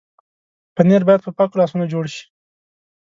پنېر باید په پاکو لاسونو جوړ شي.